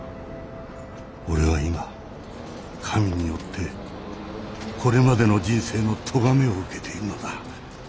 俺は今神によってこれまでの人生のとがめを受けているのだ。